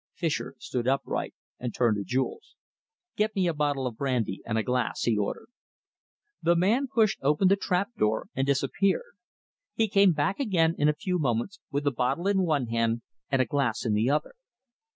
Fischer stood upright and turned to Jules. "Get a bottle of brandy and a glass," he ordered. The man pushed open the trap door and disappeared. He came back again in a few moments, with a bottle in one hand and a glass in the other.